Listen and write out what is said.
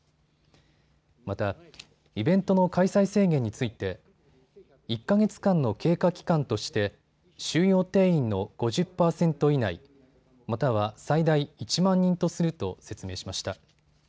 また、イベントの開催制限について１か月間の経過期間として収容定員の５０％以内、または最大１万人とすると説明しました。